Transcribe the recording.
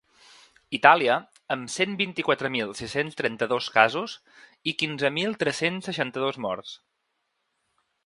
Itàlia, amb cent vint-i-quatre mil sis-cents trenta-dos casos i quinze mil tres-cents seixanta-dos morts.